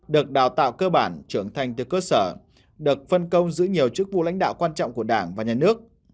và được phân công giữ nhiều chức vụ lãnh đạo quan trọng của đảng và nhà nước